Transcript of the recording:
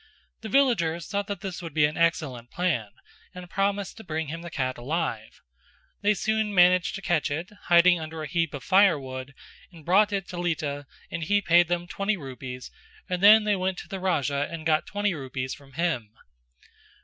The villagers thought that this would be an excellent plan and promised to bring him the cat alive. They soon managed to catch it hiding under a heap of firewood and brought it to Lita and he paid them twenty rupees and then they went to the Raja and got twenty rupees from him.